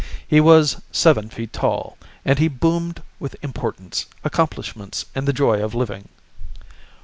He was seven feet tall, and he boomed with importance, accomplishments, and the joy of living.